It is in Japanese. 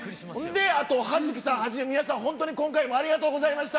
で、あと葉月さんはじめ皆さん、本当に今回もありがとうございました。